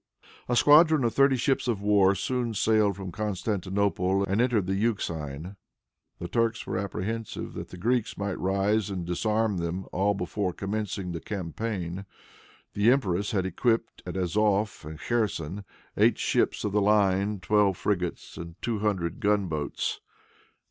A squadron of thirty ships of war soon sailed from Constantinople and entered the Euxine. The Turks were apprehensive that the Greeks might rise and disarmed them all before commencing the campaign. The empress had equipped, at Azof and Kherson, eight ships of the line, twelve frigates, and two hundred gun boats.